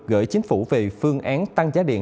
gửi chính phủ về phương án tăng giá điện